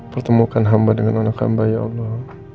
pertemukan hamba dengan anak hamba ya allah